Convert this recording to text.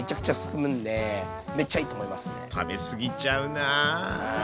食べすぎちゃうなあ。